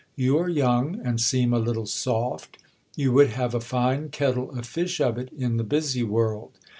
You are young, and seem a little soft ; you woidd have a fine kettle of fish of it in the busv world.